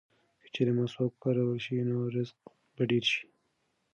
که چېرې مسواک وکارول شي نو رزق به ډېر شي.